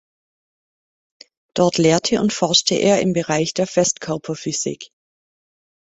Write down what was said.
Dort lehrte und forschte er im Bereich der Festkörperphysik.